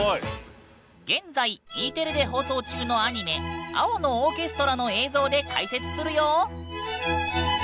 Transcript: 現在Ｅテレで放送中のアニメ「青のオーケストラ」の映像で解説するよ！